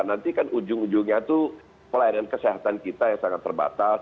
nanti kan ujung ujungnya itu pelayanan kesehatan kita yang sangat terbatas